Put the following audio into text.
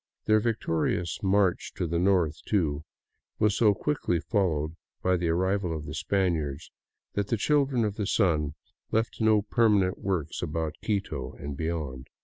Their victorious march to the north, too, was so quickly fol lowed by the arrival of the Spaniards, that the Children of the Sun left no permanent works about Quito and beyond.